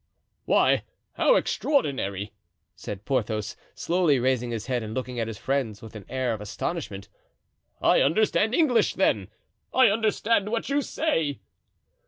"Why, how extraordinary!" said Porthos, slowly raising his head and looking at his friends with an air of astonishment, "I understand English, then! I understand what you say!"